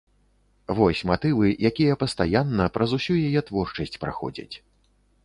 Вось матывы, якія пастаянна праз усю яе творчасць праходзяць.